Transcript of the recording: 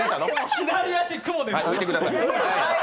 左足雲です。